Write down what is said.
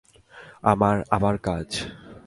আমার আবার কাজ!